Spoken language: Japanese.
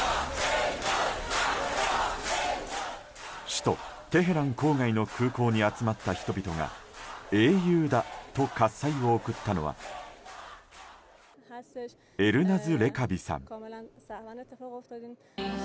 首都テヘラン郊外の空港に集まった人々が英雄だと喝采を送ったのはエルナズ・レカビさん。